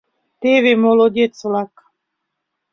Теве молодец-влак...